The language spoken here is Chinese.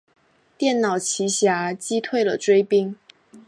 电脑奇侠击退了追兵。